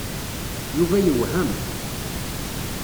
Yuba yewhem.